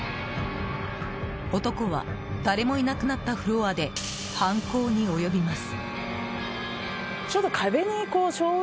男は誰もいなくなったフロアで犯行に及びます。